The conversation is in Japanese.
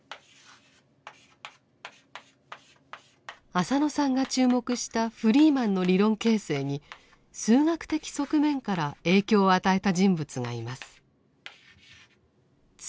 浅野さんが注目したフリーマンの理論形成に数学的側面から影響を与えた人物がいます。